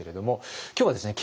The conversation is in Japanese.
今日はですね